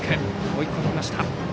追い込みました。